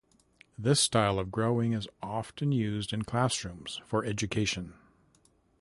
This style of growing is often used in classrooms for education.